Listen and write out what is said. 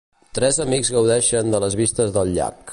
Tres amics gaudeixen de les vistes del llac.